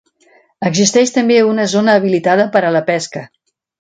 Existeix també una zona habilitada per a la pesca.